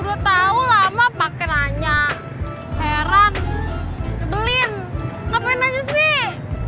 kau lama pake nanya heran gebelin ngapain aja sih